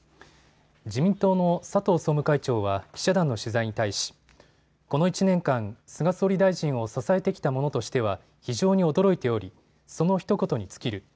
自民党の佐藤総務会長は記者団の取材に対しこの１年間、菅総理大臣を支えてきた者としては非常に驚いておりそのひと言に尽きる。